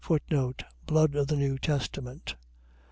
Blood of the new testament.